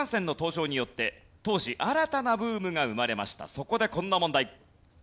そこでこんな問題。